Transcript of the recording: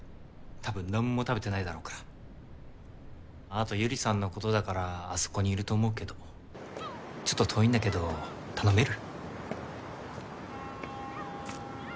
多分何も食べてないだろうからあと百合さんのことだからあそこにいると思うけどちょっと遠いんだけど頼める？